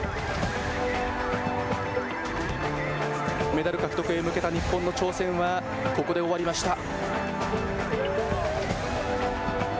メダル獲得へ向けた日本の挑戦は、ここで終わりました。